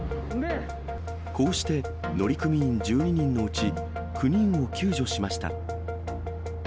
こうして、乗組員１２人のうち、９人を救助しました。